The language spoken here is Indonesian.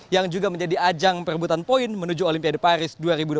yang juga menjadi ajang perebutan poin menuju olimpiade paris dua ribu dua puluh